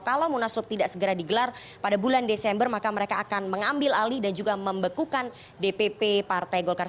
kalau munaslup tidak segera digelar pada bulan desember maka mereka akan mengambil alih dan juga membekukan dpp partai golkar